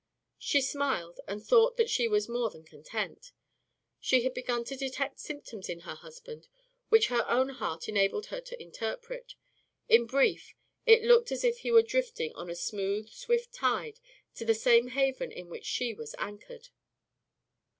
She smiled and thought that she was more than content. She had begun to detect symptoms in her husband which her own heart enabled her to interpret. In brief, it looked as if he were drifting on a smooth, swift tide to the same haven in which she was anchored.